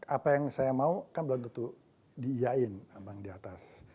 apa yang saya mau kan belum tentu diiyain ambang di atas